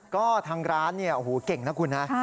ก็ทางร้านเนี่ยโอ้โหเก่งนะคุณนะ